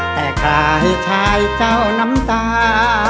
แต่กลายชายเจ้าน้ำตา